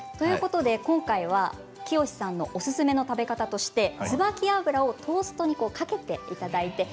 今回は清さんのおすすめの食べ方として椿油をトーストにかけていただいて。